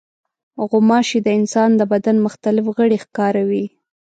غوماشې د انسان د بدن مختلف غړي ښکاروي.